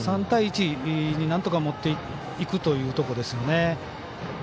３対１になんとか持っていくということですね。